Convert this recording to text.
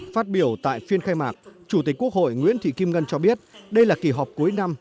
phát biểu tại phiên khai mạc chủ tịch quốc hội nguyễn thị kim ngân cho biết đây là kỳ họp cuối năm